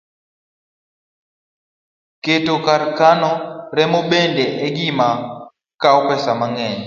Keto kar kano remo bende en gima kawo pesa mang'eny